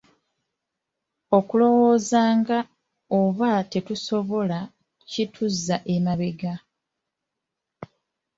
Okulowoozanga oba tetusobola kituzza emabega.